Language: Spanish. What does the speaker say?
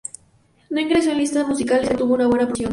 No ingresó en lista musicales, ya que no obtuvo una buena promoción.